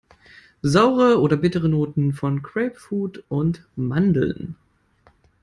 Saure oder bittere Noten von Grapefruit und Mandeln.